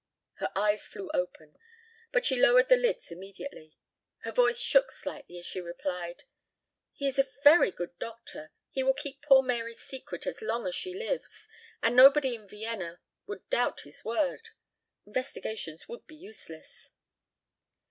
Her eyes flew open, but she lowered the lids immediately. Her voice shook slightly as she replied: "He is a very great doctor. He will keep poor Mary's secret as long as she lives and nobody in Vienna would doubt his word. Investigations would be useless."